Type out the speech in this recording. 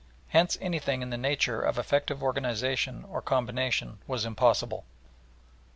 Hence anything in the nature of effective organisation or combination was impossible.